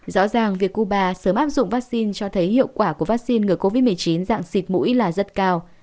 rõ ràng việc cuba sớm áp dụng vaccine cho thấy hiệu quả của vaccine ngừa covid một mươi chín dạng xịt mũi là rất cao